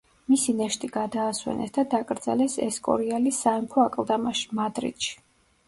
მისი ნეშტი გადაასვენეს და დაკრძალეს ესკორიალის სამეფო აკლდამაში, მადრიდში.